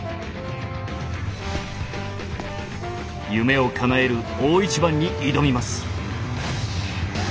夢をかなえる大一番に挑みます。